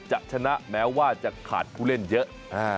จะชนะแม้ว่าจะขาดผู้เล่นเยอะ